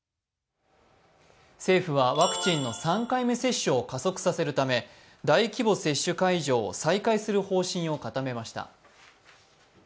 政府はワクチンの３回目接種を加速させるため大規模接種会場を再開する方針を固めました。